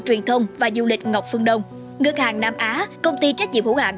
truyền thông và du lịch ngọc phương đông ngân hàng nam á công ty trách nhiệm hữu hạng